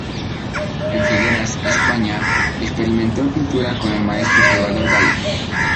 En Figueras, España experimentó pintura con el Maestro Salvador Dalí.